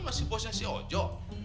masih bosnya si ojo